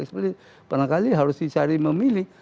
pernah kali harus dicari memilih